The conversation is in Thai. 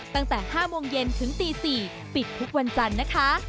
ตั้งแต่๕โมงเย็นถึงตี๔ปิดทุกวันจันทร์นะคะ